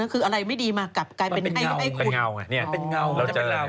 คืออะไรไม่ดีกลายเป็นไกลแล้วเป็นกัน